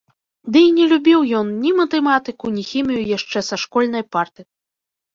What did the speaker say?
Ды і не любіў ён ні матэматыку, ні хімію яшчэ са школьнай парты.